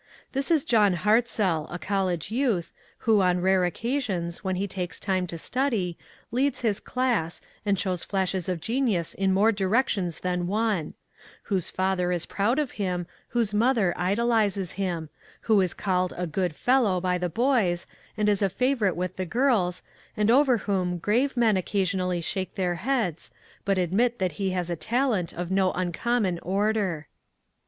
This is John Hart zell, a college youth, who, on rare occasions, when he takes time to study, leads his class, and shows flashes of genius in more direc tions than one ; whose father is proud of him, whose mother idolizes him, who is called a *' good fellow " by the boys, and is a favorite with the girls, and over whom grave men occasionally shake their heads, but admit that he has talent of no uncom mon order.